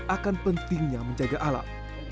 akan pentingnya menjaga alam